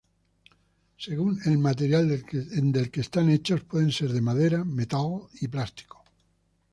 Según el material del que están hechos pueden ser de madera, metal, plástico.